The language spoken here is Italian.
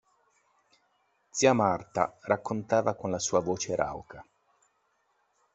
Zia Marta raccontava con la sua voce rauca.